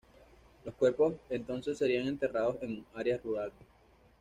Los cuerpos entonces serían enterrados en áreas rurales.